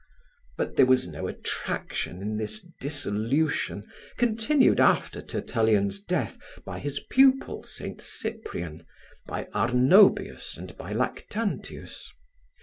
But there was no attraction in this dissolution, continued after Tertullian's death by his pupil, Saint Cyprian, by Arnobius and by Lactantius.